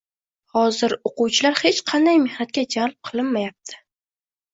Hozir o‘quvchilar hech qanday mehnatga jalb qilinmayapti.